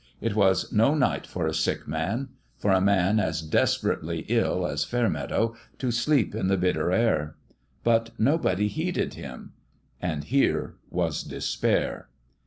It was no night for a sick man for a man as desperately ill as Fair meadow to sleep in the bitter air. But nobody heeded him. And here was despair.